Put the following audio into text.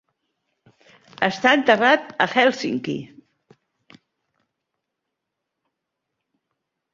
Està enterrat a Hèlsinki.